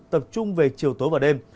tập trung về chiều tối và đêm